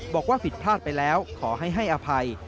บอกว่าผิดพลาดไปแล้วขอให้ให้อภัย